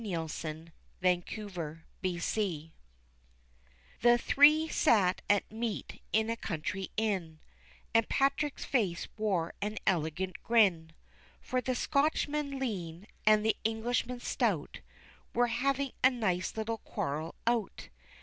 Settled by Arbitration The three sat at meat in a country inn, And Patrick's face wore an elegant grin, For the Scotchman lean, and the Englishman stout Were having a nice little quarrel out.